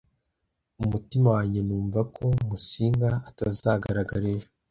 Umutima wanjye numva ko Musinga atazagaragara ejo.